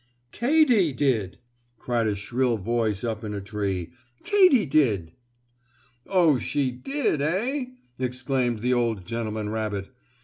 "Katy did!" cried a shrill voice up in a tree. "Katy did!" "Oh, she did; eh?" exclaimed the old gentleman rabbit.